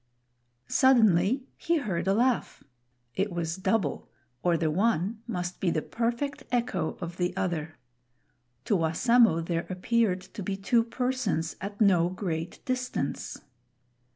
Suddenly he heard a laugh. It was double, or the one must be the perfect echo of the other. To Wassamo there appeared to be two persons at no great distance.